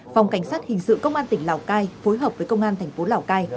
phòng cảnh sát hình sự công an tỉnh lào cai phối hợp với công an thành phố lào cai